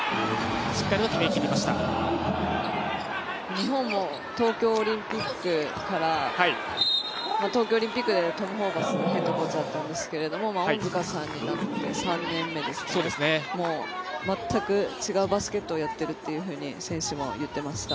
日本も東京オリンピックから東京オリンピックでトム・ホーバスヘッドコーチだったんですが恩塚さんになって３年目ですから全く違うバスケットをやっているというふうに選手も言っていました。